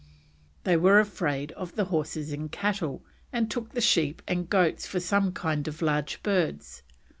They were afraid of the horses and cattle, and took the sheep and goats for some kind of large birds.